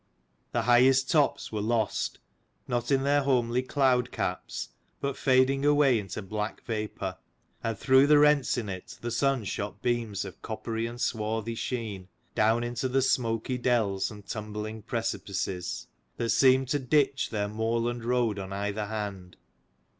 The highest tops were lost, not in their homely cloud caps, but fading away into black vapour; and through the rents in it the sun shot beams of coppery and swarthy sheen, down into the smoky dells and tumbling precipices, that seemed to ditch their moorland road on either hand.